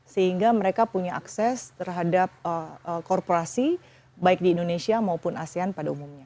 sehingga mereka punya akses terhadap korporasi baik di indonesia maupun asean pada umumnya